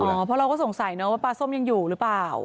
เพราะเราก็สงสัยนะว่าปลาส้มยังอยู่หรือเปล่า